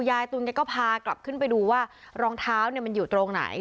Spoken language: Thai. ยายตุลแกก็พากลับขึ้นไปดูว่ารองเท้าเนี่ยมันอยู่ตรงไหน